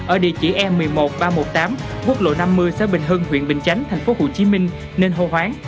ở địa chỉ e một mươi một ba trăm một mươi tám quốc lộ năm mươi xã bình hưng huyện bình chánh tp hcm nên hô hoáng